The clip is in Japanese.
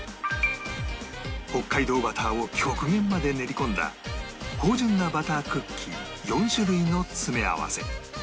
北海道バターを極限まで練り込んだ芳醇なバタークッキー４種類の詰め合わせ